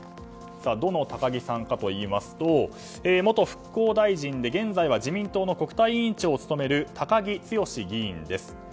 どの高木さんかといいますと元復興大臣で現在は自民党の国対委員長を務める高木毅議員です。